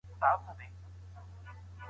ډېری کسان په اېچ ای وي اخته کېږي.